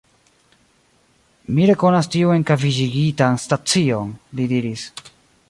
Mi rekonas tiun enkavaĵigitan stacion, li diris.